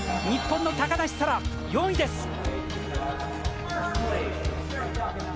日本の高梨沙羅、４位です。